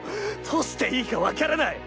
どうしていいかわからない。